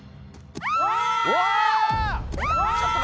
うわ！